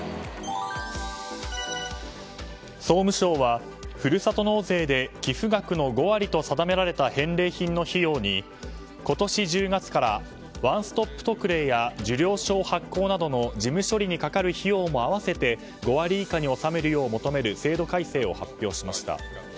総務省は、ふるさと納税で寄付額の５割と定められた返礼品の費用に今年１０月からワンストップ特例や受領証発行などの事務処理にかかる費用も合わせて５割以下に収めるよう求める制度改正を発表しました。